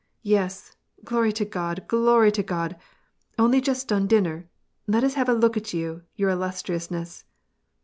" Yes ! glory to God, glory to God ! Only just done dinner I Let us have a look at you, your illustriousness